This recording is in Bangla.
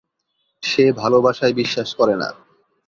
সে ভালোবাসায় বিশ্বাস করে না।